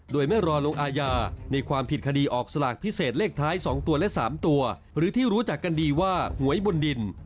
โดยไม่รอลงอาญาในความผิดคดีออกสลากพิเศษเลขท้าย๒ตัวและ๓ตัวหรือที่รู้จักกันดีว่าหวยบนดิน